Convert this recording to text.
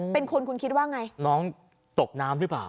เป็นคนคุณคิดว่าไงน้องตกน้ำหรือเปล่า